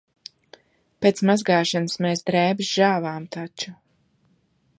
Pēc mazgāšanas mēs drēbes žāvām taču.